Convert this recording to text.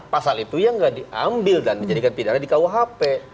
pasal itu yang nggak diambil dan menjadikan pidana di kuhp